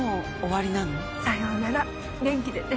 さようなら、元気でね。